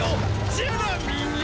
ジェラミーよ！